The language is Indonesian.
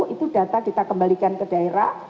itu data kita kembalikan ke daerah